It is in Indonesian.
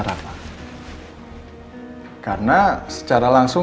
iya pak amar berpihak kepada bu andin